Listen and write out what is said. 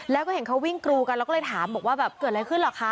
แล้วก็เห็นเขาวิ่งกรูกันแล้วก็เลยถามบอกว่าแบบเกิดอะไรขึ้นเหรอคะ